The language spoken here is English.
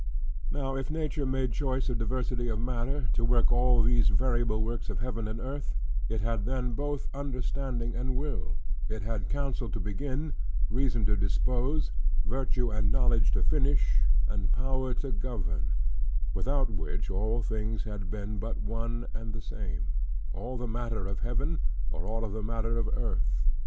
Now if Nature made choice of diversity of matter, to work all these variable works of heaven and earth, it had then both understanding and will; it had counsel to begin; reason to dispose; virtue and knowledge to finish, and power to govern: without which all things had been but one and the same: all of the matter of heaven; or all of the matter of earth.